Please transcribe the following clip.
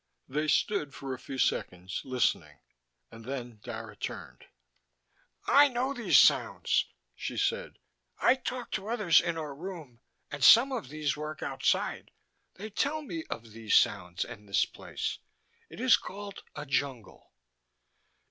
They stood for a few seconds, listening, and then Dara turned. "I know these sounds," she said. "I talk to others in our room, and some of these work outside. They tell me of these sounds and this place: it is called a jungle."